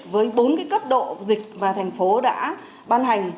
với bốn cái cấp độ dịch mà thành phố đã ban hành